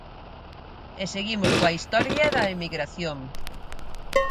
E seguimos coa historia da emigración.